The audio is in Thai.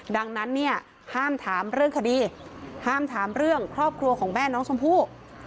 ดังนั้นเนี่ยห้ามถามเรื่องคดีห้ามถามเรื่องครอบครัวของแม่น้องชมพู่